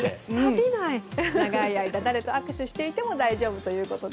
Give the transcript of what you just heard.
長い間、誰と握手していても大丈夫ということで。